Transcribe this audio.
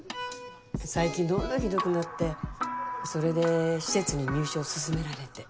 最近どんどんひどくなってそれで施設に入所を勧められて。